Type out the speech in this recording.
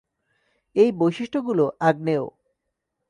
এই বৈশিষ্ট্যগুলো আগ্নেয়।